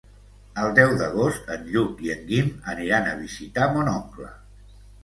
El deu d'agost en Lluc i en Guim aniran a visitar mon oncle.